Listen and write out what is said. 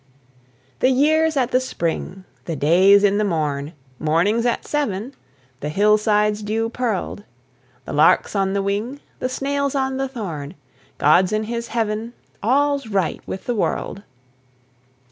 The year's at the spring, The day's at the morn; Morning's at seven; The hillside's dew pearled; The lark's on the wing; The snail's on the thorn; God's in His heaven All's right with the world!